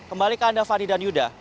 kembali ke anda fani dan yuda